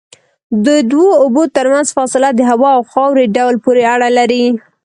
د دوو اوبو ترمنځ فاصله د هوا او خاورې ډول پورې اړه لري.